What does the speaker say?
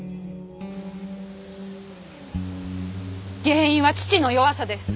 原因は父の弱さです。